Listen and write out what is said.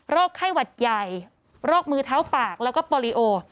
ไข้หวัดใหญ่โรคมือเท้าปากแล้วก็ปอลิโอ